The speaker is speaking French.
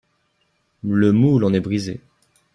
Le moule en est brise